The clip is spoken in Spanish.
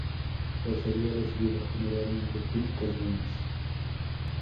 La serie ha recibido generalmente críticas buenas.